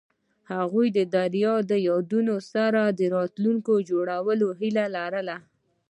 هغوی د دریا له یادونو سره راتلونکی جوړولو هیله لرله.